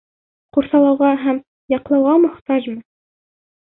Ҡурсалауға һәм яҡлауға мохтажмы?